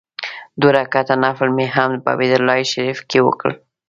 دوه رکعاته نفل مې هم په بیت الله شریفه کې وکړ.